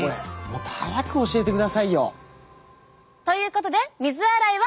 もっと早く教えてくださいよ。ということで「水洗い」は。